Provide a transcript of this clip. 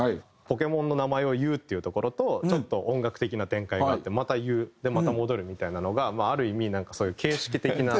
ポケモンの名前を言うっていうところとちょっと音楽的な展開があってまた言うまた戻るみたいなのがある意味なんかそういう形式的なところでは。